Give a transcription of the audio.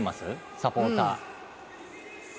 サポーター。